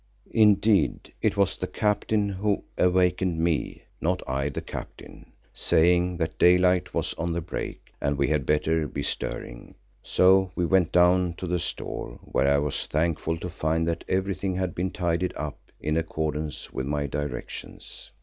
Indeed, it was the Captain who awakened me, not I the Captain, saying that daylight was on the break and we had better be stirring. So we went down to the Store, where I was thankful to find that everything had been tidied up in accordance with my directions.